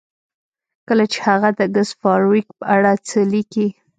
کله چې هغه د ګس فارویک په اړه څه لیکي